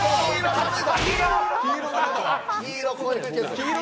黄色！